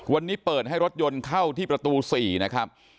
วันนี้เปิดให้รถยนต์เข้าที่ประตู๔นะครับ